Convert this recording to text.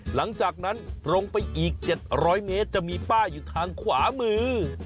หลังจากนั้นตรงไปอีก๗๐๐เมตรจะมีป้ายอยู่ทางขวามือ